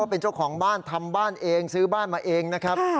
เป็นเจ้าของบ้านทำบ้านเองซื้อบ้านมาเองนะครับ